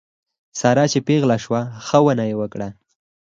ساره چې پېغله شوه ښه ونه یې وکړه.